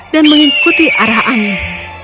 dan mengikuti arah angin